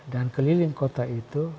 dan keliling kota itu